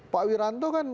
pak wiranto kan